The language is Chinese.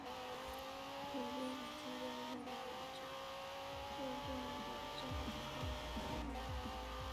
作为地理名词的钓鱼台就具有了重要的政治符号意义。